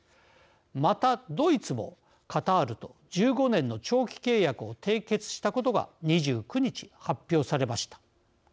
またドイツもカタールと１５年の長期契約を締結したことが２９日、発表されました。